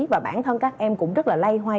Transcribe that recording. và bản thân các em cũng rất là lay hoay